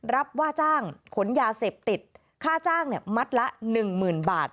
รับว่าจ้างขนยาเสพติดค่าจ้างมัดละ๑๐๐๐บาท